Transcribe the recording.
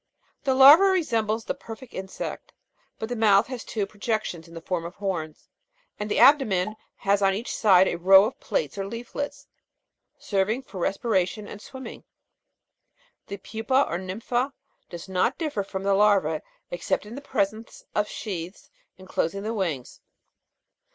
The larva resembles the perfect insect ; but the mouth has two projections in form of horns, and the abdomen has on each side a row of plates or leaflets, serving for respiration and swimming. The pupa or nympha does not differ from the larva except in the presence of sheaths enclosing the wings.